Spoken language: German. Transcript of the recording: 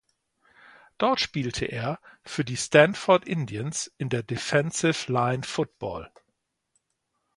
Dort spielte er für die "Stanford Indians" in der Defensive Line Football.